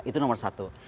itu nomor satu